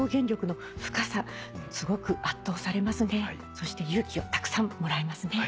そして勇気をたくさんもらえますね。